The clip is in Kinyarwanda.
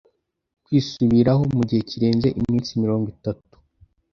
kwisubiraho mu gihe kirenze iminsi mirongo itatu